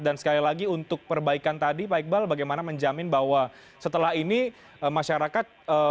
dan sekali lagi untuk perbaikan tadi pak iqbal bagaimana menjamin bahwa setelah ini masyarakat